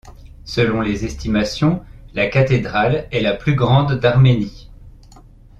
Selon les estimations, la cathédrale est la plus grande d'Arménie.